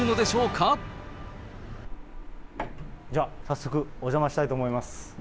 一体、では、早速お邪魔したいと思います。